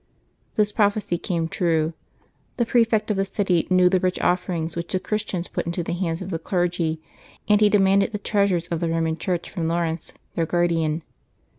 This prophecy came true. The prefect of the city knew the rich offerings which the Christians put into the hands of the clergy, and he demanded the treas ures of the Roman Church from Laurence, their guardian.